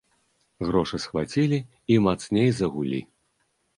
Грошы схвацілі і мацней загулі.